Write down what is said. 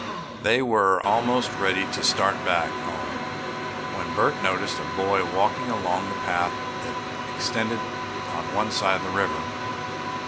They were almost ready to start back home when Bert noticed a boy walking along the path that extended on one side of the river.